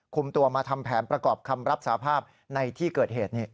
คุมตัวมาทำแผนประกอบคำรับสาภาพในที่เกิดเหตุ